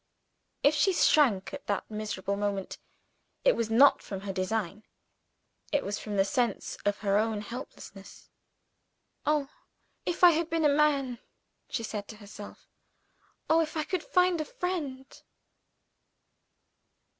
If she shrank at that miserable moment, it was not from her design it was from the sense of her own helplessness. "Oh, if I had been a man!" she said to herself. "Oh, if I could find a friend!"